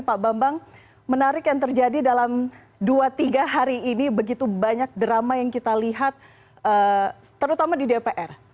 pak bambang menarik yang terjadi dalam dua tiga hari ini begitu banyak drama yang kita lihat terutama di dpr